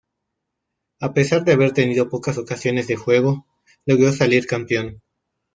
A pesar de haber tenido pocas ocasiones de juego, logró salir campeón.